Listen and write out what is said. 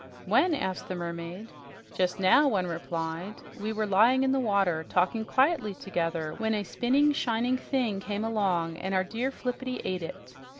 "When?" asked the mermaid. "Just now," one replied. "We were lying in the water, talking quietly together when a spinning, shining thing came along and our dear Flippity ate it.